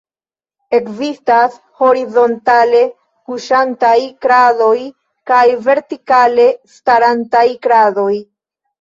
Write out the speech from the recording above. Ekzistas horizontale kuŝantaj kradoj kaj vertikale starantaj kradoj.